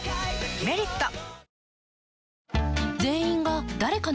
「メリット」お？